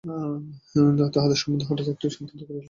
তাঁহাদের সম্বন্ধে হঠাৎ একটা সিদ্ধান্ত করিয়া ফেলিলে চলিবে না।